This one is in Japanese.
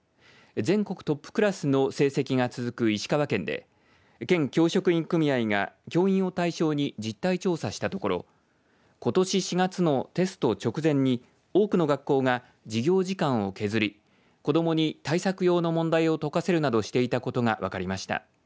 全国トップクラスの成績が続く石川県で県教職員組合が教員を対象に実態調査したところことし４月のテスト直前に多くの学校が授業時間を削り子どもに対策用の問題を解かせるなどしていたことが分かりました。